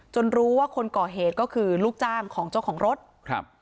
รู้ว่าคนก่อเหตุก็คือลูกจ้างของเจ้าของรถครับ